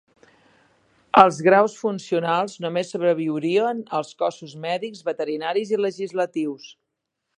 Els graus funcionals només sobreviurien als cossos mèdics, veterinaris i legislatius.